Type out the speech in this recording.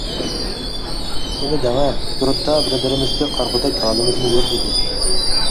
— شۇنى دەڭا، يۇرتتا بىر-بىرىمىزگە قارىغۇدەك ھالىمىزمۇ يوق ئىدى.